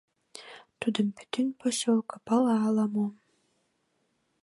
Тудым пӱтынь посёлко пала ала мо.